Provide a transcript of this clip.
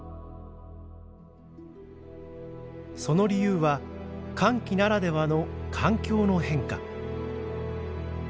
その理由は乾季ならではの環境の変化。